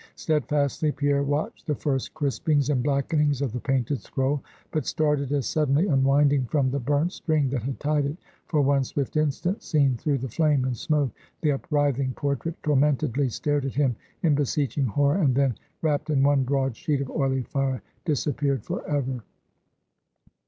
Steadfastly Pierre watched the first crispings and blackenings of the painted scroll, but started as suddenly unwinding from the burnt string that had tied it, for one swift instant, seen through the flame and smoke, the upwrithing portrait tormentedly stared at him in beseeching horror, and then, wrapped in one broad sheet of oily fire, disappeared forever.